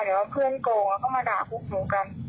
เดี๋ยวว่าเพื่อนโกงก็มาด่าพวกนุกัน